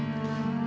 aku mau ke rumah